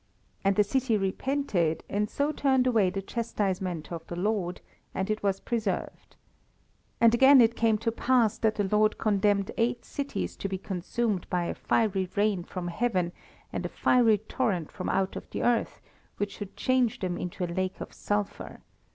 And the city repented and so turned away the chastisement of the Lord, and it was preserved. And again it came to pass that the Lord condemned eight cities to be consumed by a fiery rain from heaven, and a fiery torrent from out of the earth, which should change them into a lake of sulphur.